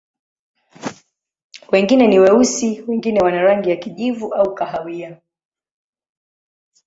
Wengine ni weusi, wengine wana rangi ya kijivu au kahawia.